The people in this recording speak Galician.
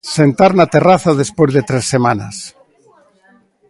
Sentar na terraza despois de tres semanas.